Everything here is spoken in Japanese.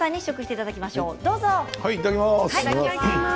いただきます。